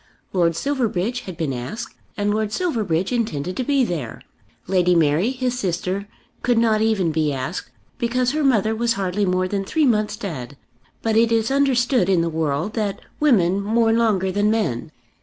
Lord Silverbridge had been asked, and Lord Silverbridge intended to be there. Lady Mary, his sister, could not even be asked, because her mother was hardly more than three months dead; but it is understood in the world that women mourn longer than men.